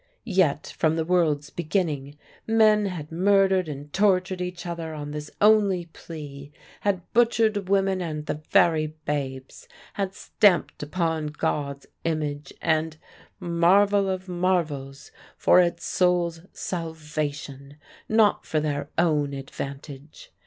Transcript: Yet from the world's beginning men had murdered and tortured each other on this only plea; had butchered women and the very babes; had stamped upon God's image and marvel of marvels for its soul's salvation, not for their own advantage.